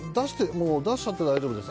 出しちゃって大丈夫です。